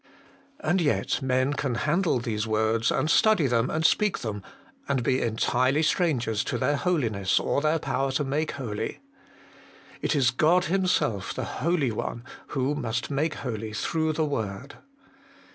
And yet men can handle these words, and study them, and speak them, and be entire strangers to their holiness, or their power to make holy. It is God Himself, the Holy One, who must make holy through the word.